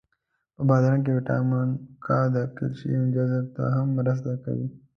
په بادرنګ کی ویټامین کا د کلسیم جذب ته هم مرسته کوي.